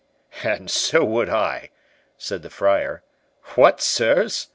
"And so would I," said the Friar; "what, sirs!